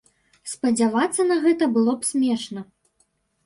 Спадзявацца на гэта было б смешна.